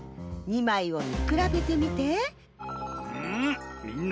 ２まいをみくらべてみて。ん